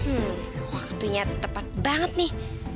hmm waktunya tepat banget nih